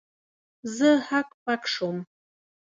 زه هک پک سوم.